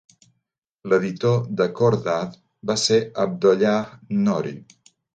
L'editor de "Khordad" va ser Abdollah Noori.